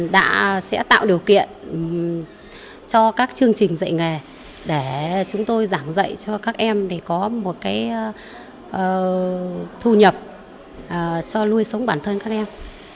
đã tạo điều kiện cho các chương trình dạy nghề để chúng tôi giảng dạy cho các em để có một thu nhập cho nuôi sống bản thân các em